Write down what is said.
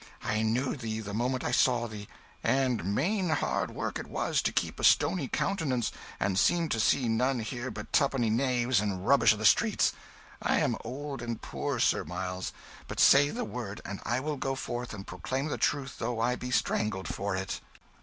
I knew thee the moment I saw thee; and main hard work it was to keep a stony countenance and seem to see none here but tuppenny knaves and rubbish o' the streets. I am old and poor, Sir Miles; but say the word and I will go forth and proclaim the truth though I be strangled for it."